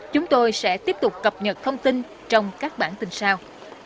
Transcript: chúng tôi sẽ tiếp tục cập nhật thông tin trong các bản tin sau